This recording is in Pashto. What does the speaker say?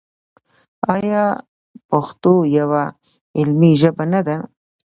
آیا پښتو یوه علمي ژبه نه ده؟